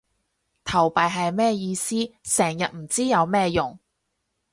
投幣係咩意思？成日唔知有咩用